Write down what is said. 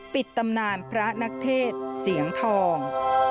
ตำนานพระนักเทศเสียงทอง